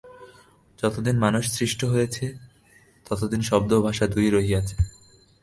যতদিন মানুষ সৃষ্ট হইয়াছে, ততদিন শব্দ ও ভাষা দুইই রহিয়াছে।